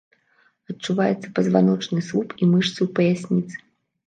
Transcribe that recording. Адчуваецца пазваночны слуп і мышцы ў паясніцы.